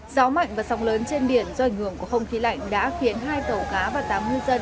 gió mạnh và sóng lớn trên biển do ảnh hưởng của không khí lạnh đã khiến hai tàu cá và tám ngư dân